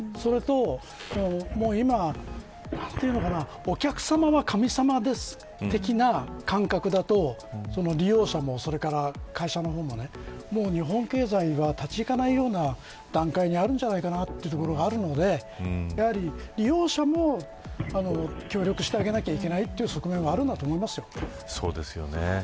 今は、お客さまは神様です的な感覚だと利用者も会社の方も日本経済が立ち行かないような段階になっているんじゃないかなというところがあるので利用者も協力してあげなきゃいけないという側面もそうですよね。